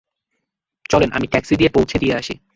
চলেন, আমি ট্যাক্সি দিয়ে পৌঁছে দিয়ে আসি।